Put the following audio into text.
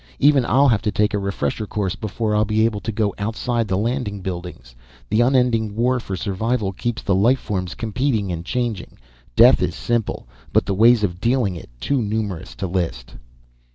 Even I'll have to take a refresher course before I'll be able to go outside the landing buildings. The unending war for survival keeps the life forms competing and changing. Death is simple, but the ways of dealing it too numerous to list."